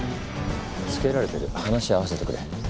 つけられてる話合わせてくれ。